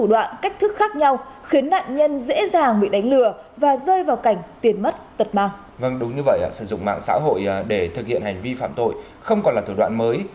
đặc biệt để thực hiện hành vi phạm tội không còn là thủ đoạn mới